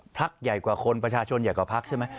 พักใหญ่กว่าคนปัชชนจะกับพักใช่ไหม